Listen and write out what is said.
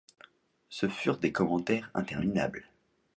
Ce furent des commentaires interminables.